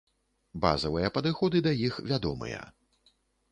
Базавыя падыходы да іх вядомыя.